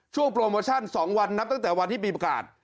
โปรโมชั่น๒วันนับตั้งแต่วันที่มีประกาศ